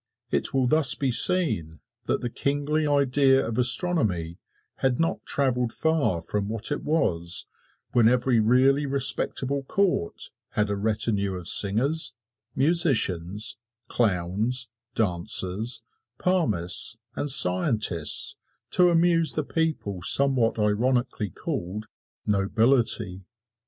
It will thus be seen that the kingly idea of astronomy had not traveled far from what it was when every really respectable court had a retinue of singers, musicians, clowns, dancers, palmists and scientists to amuse the people somewhat ironically called "nobility."